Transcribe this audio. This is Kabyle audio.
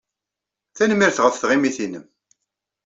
Tanemmirt ɣef tɣimit-nnem.